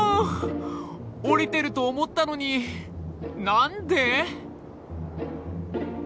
おりてると思ったのに何で？